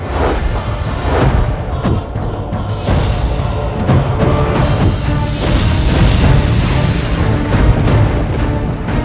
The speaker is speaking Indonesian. jadi kau sudah mengenaliku